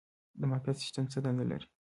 د معافیت سیستم څه دنده لري؟